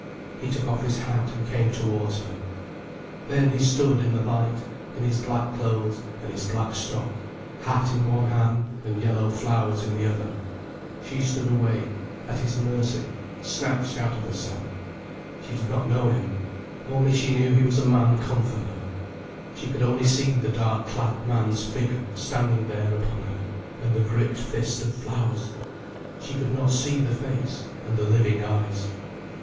He took off his hat, and came towards her. Then he stood in the light, in his black clothes and his black stock, hat in one hand and yellow flowers in the other. She stood away, at his mercy, snatched out of herself. She did not know him, only she knew he was a man come for her. She could only see the dark clad man's figure standing there upon her, and the gripped fist of flowers. She could not see the face and the living eyes.